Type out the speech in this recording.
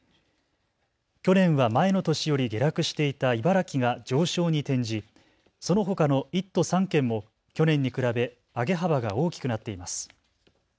去年は前の年より下落していた茨城が上昇に転じそのほかの１都３県も去年に比べ上げ幅が大きくなっています。